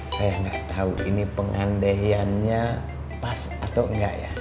saya nggak tahu ini pengandaiannya pas atau enggak ya